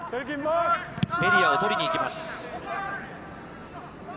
エリアを取りに行きます。